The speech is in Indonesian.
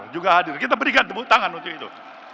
juga hadir kita berikan tepuk tangan untuk itu